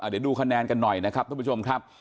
เดี๋ยวดูคะแนนกันหน่อยนะครับท่านผู้ชมครับ